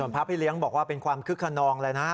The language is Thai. พระพี่เลี้ยงบอกว่าเป็นความคึกขนองเลยนะ